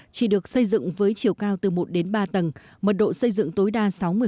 chỉ được xây dựng với chiều cao từ một đến ba tầng mật độ xây dựng tối đa sáu mươi